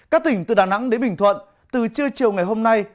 các tỉnh từ đà nẵng đến bình thuận từ trưa chiều ngày hôm nay